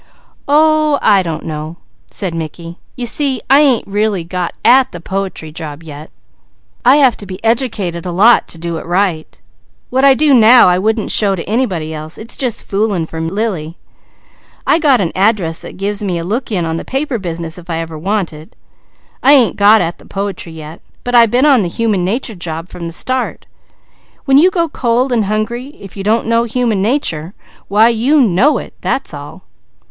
"Oh I don't know," said Mickey. "You see I ain't really got at the poetry job yet. I have to be educated a lot to do it right. What I do now I wouldn't show to anybody else, it's just fooling for Lily. But I got an address that gives me a look in on the paper business if I ever want it. I ain't got at the poetry yet, but I been on the human nature job from the start. When you go cold and hungry if you don't know human nature why you know it, that's all!"